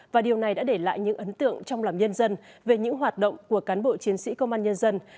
và điều này đã để lại những ấn tượng trong lòng nhân dân về những hoạt động của cán bộ chiến sĩ công an nhân dân